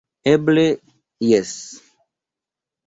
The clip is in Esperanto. Eble jes!